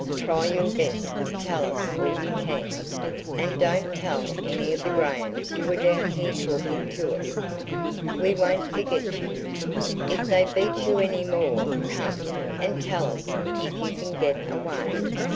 "Try your best to tell us all you can, and don't tell any of the Grahams you were down here talking to us. We won't forget you. If they beat you any more come, and tell us if you can get away.